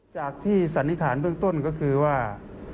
ที่สันนิษฐานเบื้องต้นก็คือว่า